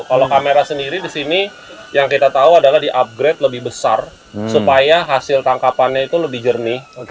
kalau kamera sendiri di sini yang kita tahu adalah di upgrade lebih besar supaya hasil tangkapannya itu lebih jernih